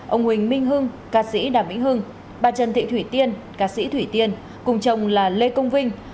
ông huỳnh minh hưng ca sĩ đàm vĩnh hưng bà trần thị thủy tiên ca sĩ thủy tiên cùng chồng là lê công vinh